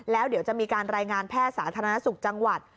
แล้วเดี๋ยวจะมีการรายงานแพทย์สาธารณสุขจังหวัด